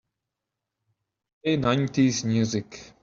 Play nineties music.